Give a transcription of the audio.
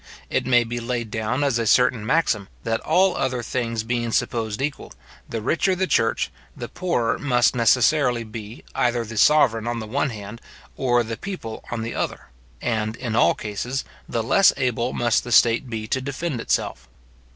It may be laid down as a certain maxim, that all other things being supposed equal, the richer the church, the poorer must necessarily be, either the sovereign on the one hand, or the people on the other; and, in all cases, the less able must the state be to defend itself.